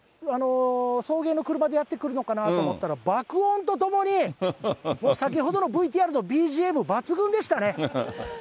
送迎の車でやって来るのかなと思ったら、爆音とともに、先ほどのＶＴＲのＢＧＭ、抜群でしたね。